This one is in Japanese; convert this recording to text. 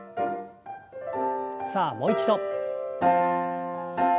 さあもう一度。